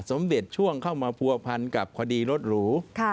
สมเด็จช่วงเข้ามาผัวพันกับคดีรถหรู